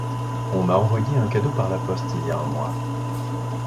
On m'a envoyé un cadeau par la poste il y a un mois.